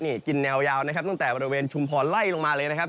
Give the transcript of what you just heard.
นี่กินแนวยาวนะครับตั้งแต่บริเวณชุมพรไล่ลงมาเลยนะครับ